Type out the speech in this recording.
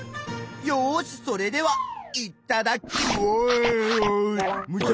よしそれではいっただっきまぁす！